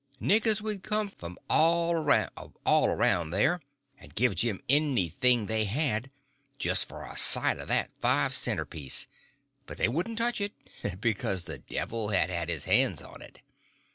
Niggers would come from all around there and give Jim anything they had, just for a sight of that five center piece; but they wouldn't touch it, because the devil had had his hands on it.